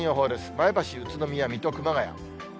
前橋、宇都宮、水戸、熊谷。